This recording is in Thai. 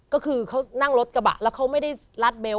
ก็คือเขานั่งรถกระบะแล้วเขาไม่ได้รัดเบลต